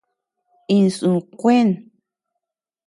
Insú kúën.